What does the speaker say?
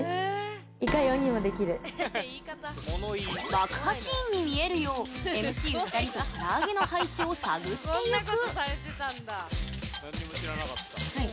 爆破シーンに見えるようＭＣ２人と唐揚げの配置を探っていく。